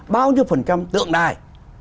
bao nhiêu phần trăm tượng đài